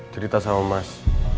cerita sama mas